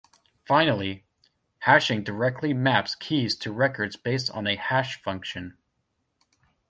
Finally, hashing directly maps keys to records based on a hash function.